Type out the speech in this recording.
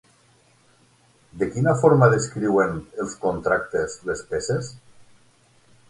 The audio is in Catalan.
De quina forma descriuen els contractes les peces?